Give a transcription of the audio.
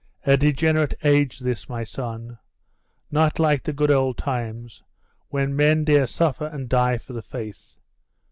A degenerate age this, my son; not like the good old times, when men dare suffer and die for the faith.